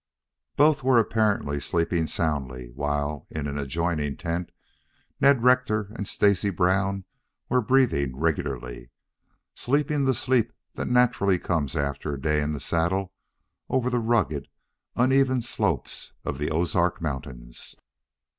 Both were apparently sleeping soundly, while in an adjoining tent Ned Rector and Stacy Brown were breathing regularly, sleeping the sleep that naturally comes after a day in the saddle over the rugged, uneven slopes of the Ozark Mountains.